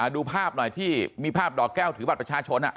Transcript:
ดูภาพหน่อยที่มีภาพดอกแก้วถือบัตรประชาชน